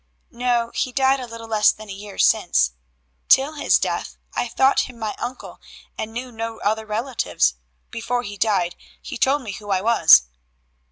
"No, he died a little less than a year since. Till his death I thought him my uncle and knew no other relatives. Before he died he told me who I was."